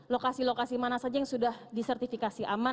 lokasi lokasi mana saja yang sudah disertifikasi aman